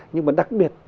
nhưng mà đặc biệt